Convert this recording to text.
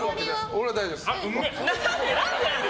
俺は大丈夫です。